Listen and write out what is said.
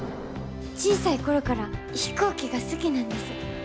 小さい頃から飛行機が好きなんです。